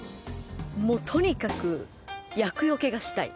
もう、とにかく厄よけがしたい。